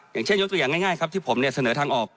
อย่างเช่นยกตัวอย่างง่ายครับที่ผมเนี่ยเสนอทางออก